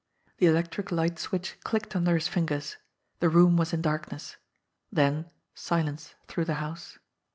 The electric light switch clicked under his fingers. The room was in darkness. Then silence through the house.